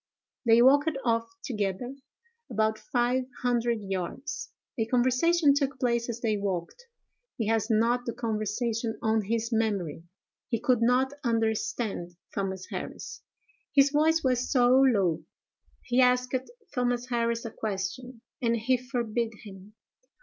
They walked off together about five hundred yards; a conversation took place as they walked; he has not the conversation on his memory. He could not understand Thomas Harris, his voice was so low. He asked Thomas Harris a question, and he forbid him.